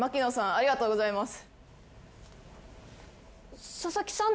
ありがとうございます。